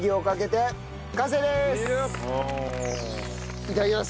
いただきます！